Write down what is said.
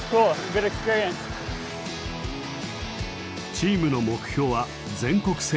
チームの目標は全国制覇。